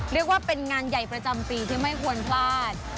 เรียกว่าเป็นงานใหญ่ประจำปีที่ไม่ควรพลาด